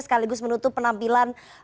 sekaligus menutup penampilan